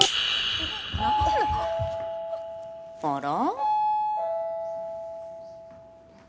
あら？